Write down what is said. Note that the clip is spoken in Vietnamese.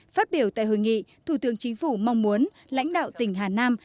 phát biểu tại hội nghị thủ tướng chính phủ mong muốn lãnh đạo tỉnh hà nam